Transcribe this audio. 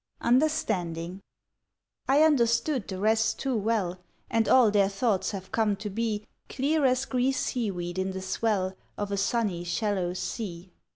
Understanding I understood the rest too well, And all their thoughts have come to be Clear as grey sea weed in the swell Of a sunny shallow sea.